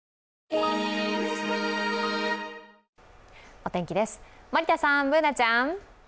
お天気です、森田さん、Ｂｏｏｎａちゃん。